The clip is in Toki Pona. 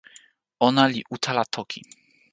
ona li utala toki.